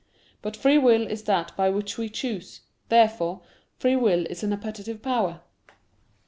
But free will is that by which we choose. Therefore free will is an appetitive power.